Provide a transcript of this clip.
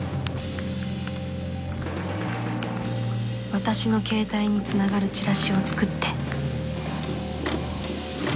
私の携帯に繋がるチラシを作って